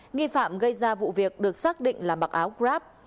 nghi phạm gây ra vụ việc được xác định là mặc áo grab